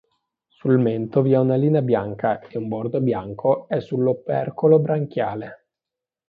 Sul mento vi è una linea bianca e un bordo bianco è sull'opercolo branchiale.